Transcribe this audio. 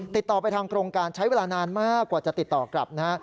ติดต่อไปทางโครงการใช้เวลานานมากกว่าจะติดต่อกลับนะฮะ